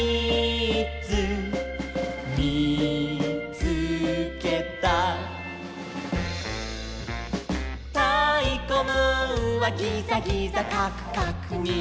つけた」「たいこムーンはギザギザカクカクにがてなんだ」